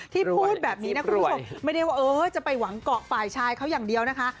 พูดแบบนี้นะคุณผู้ชมไม่ได้ว่าเออจะไปหวังเกาะฝ่ายชายเขาอย่างเดียวนะคะ